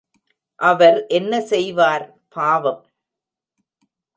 அவர் என்ன செய்வார், பாவம்!